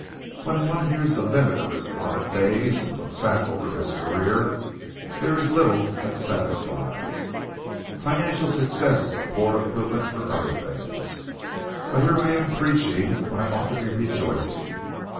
When one nears the limit of his allotted days, and looks back over his career, there is little that satisfies. Financial success is a poor equivalent for other things. But here I am preaching when I ought to be rejoicing.